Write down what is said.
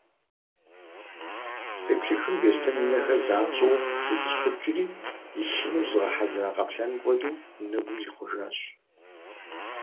Здеплъыхым Беслъэн и нэхэр занщӏэу къицӏыщхъукӏри, илъыну зызыгъэхьэзыра къаплъэным хуэдэу, и нэгум зихъуэжащ.